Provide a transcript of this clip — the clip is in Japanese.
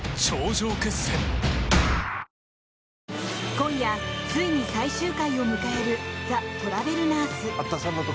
今夜ついに最終回を迎える「ザ・トラベルナース」。